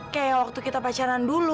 kayak waktu kita pacaran dulu